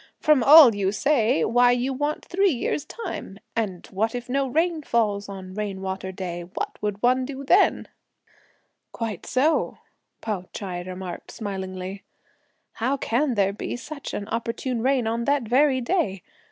"From all you say, why you want three years' time! and what if no rain falls on 'rain water' day! What would one then do?" "Quite so!" Pao Ch'ai remarked smilingly; "how can there be such an opportune rain on that very day!